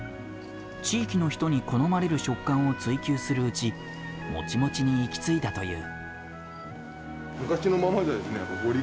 地域の人に好まれる食感を追求するうちモチモチに行き着いたという。